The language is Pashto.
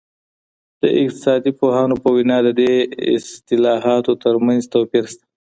د اقتصاد پوهانو په وينا د دې اصطلاحاتو ترمنځ توپير سته.